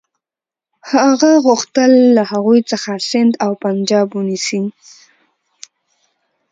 هغه غوښتل له هغوی څخه سند او پنجاب ونیسي.